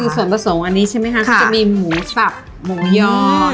ส่วนผสมอันนี้ใช่มั้ยมีหมูสับหมูยอด